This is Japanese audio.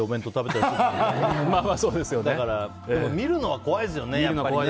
ただ、見るのは怖いですよね。